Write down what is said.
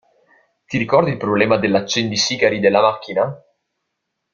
Ti ricordi il problema dell'accendisigari della macchina?